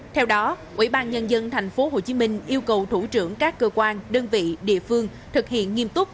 theo đó ubnd tp hcm yêu cầu thủ trưởng các cơ quan đơn vị địa phương thực hiện nghiêm túc